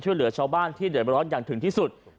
ช่วยเหลือชาวบ้านที่เดือดร้อนอย่างถึงที่สุด